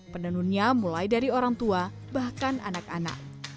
penenunnya mulai dari orang tua bahkan anak anak